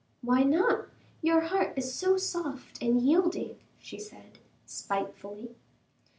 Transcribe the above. "Why not? Your heart is so soft and yielding," she said, spitefully.